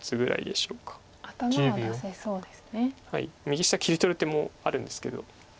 右下切り取る手もあるんですけど。